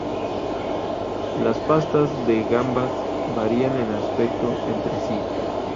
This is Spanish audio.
Las pastas de gambas varían en aspecto entre sí.